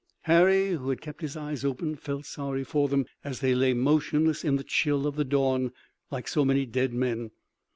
Harry, who had kept his eyes open, felt sorry for them as they lay motionless in the chill of the dawn, like so many dead men.